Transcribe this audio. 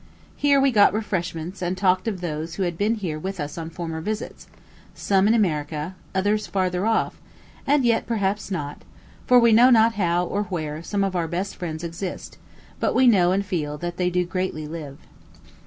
Here we got refreshments, and talked of those who had been here with us on former visits some in America, others farther off; and yet perhaps not; for we know not how, or where, some of our best friends exist; but we know and feel that they do greatly live.